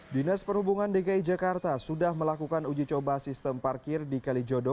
dinas perhubungan dki jakarta sudah melakukan uji coba sistem parkir di kalijodo